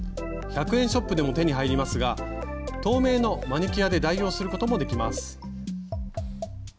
１００円ショップでも手に入りますが透明のマニキュアで代用することもできます。